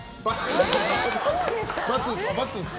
×です。